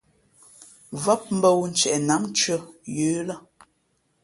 Vóp mbᾱ wū ntieʼ nǎm ntʉ̄ᾱ yə̌ lά.